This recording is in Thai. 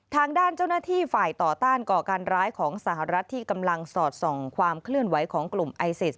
ทางด้านเจ้าหน้าที่ฝ่ายต่อต้านก่อการร้ายของสหรัฐที่กำลังสอดส่องความเคลื่อนไหวของกลุ่มไอซิส